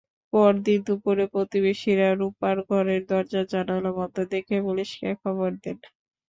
পরদিন দুপুরে প্রতিবেশীরা রুপার ঘরের দরজা-জানালা বন্ধ দেখে পুলিশে খবর দেন।